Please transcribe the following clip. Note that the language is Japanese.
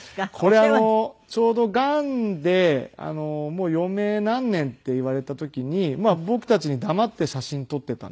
これあのちょうどがんでもう余命何年って言われた時に僕たちに黙って写真撮っていたんですね。